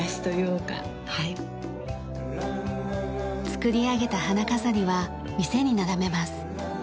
作り上げた花飾りは店に並べます。